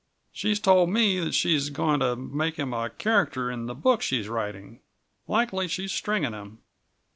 She's told me that she's goin' to make him a character in the book she's writing. Likely she's stringing him."